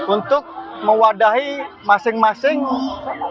untuk mewadahi masing masing